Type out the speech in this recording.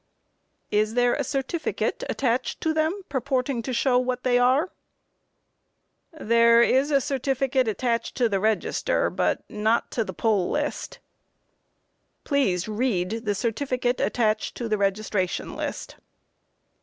Q. Is there a certificate attached to them, purporting to show what they are? A. There is a certificate attached to the register, but not to the poll list. Q. Please read the certificate attached to the registration list.